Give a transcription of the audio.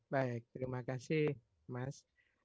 baik terima kasih mas